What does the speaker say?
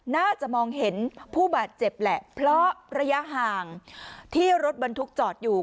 น่าจะมองเห็นผู้บาดเจ็บแหละเพราะระยะห่างที่รถบรรทุกจอดอยู่